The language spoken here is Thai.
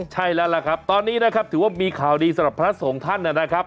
ใช่แล้วล่ะครับตอนนี้นะครับถือว่ามีข่าวดีสำหรับพระสงฆ์ท่านนะครับ